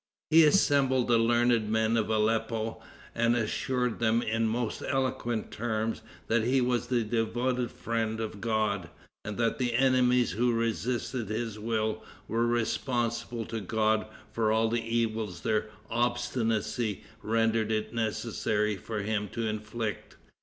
He assembled the learned men of Aleppo, and assured them in most eloquent terms that he was the devoted friend of God, and that the enemies who resisted his will were responsible to God for all the evils their obstinacy rendered it necessary for him to inflict.